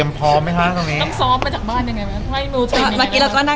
แล้วก็พอไปถึงบนเวทีก็ลืมบ้างอะไรอย่างนี้